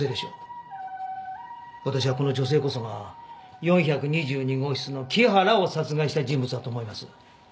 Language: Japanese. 私はこの女性こそが４２２号室の木原を殺害した人物だと思います。